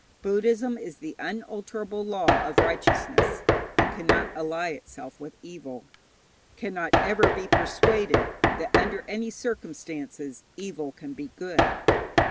Buddhism is the unalterable law of righteousness, and cannot ally itself with evil, cannot ever be persuaded that under any circumstances evil can be good.